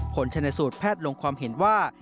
ผลชนสูตรแพทย์ลงความเห็นว่า